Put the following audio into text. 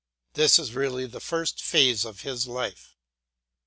This is really the first phase of his life.